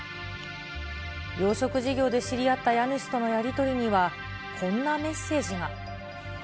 養殖事業で知り合った家主とのやり取りには、こんなメッセージが。